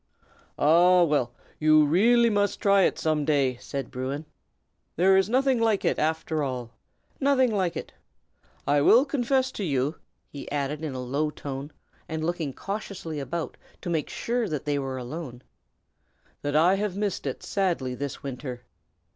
"Ah! well, you really must try it some day," said Bruin. "There is nothing like it, after all. Nothing like it! I will confess to you," he added in a low tone, and looking cautiously about to make sure that they were alone, "that I have missed it sadly this winter.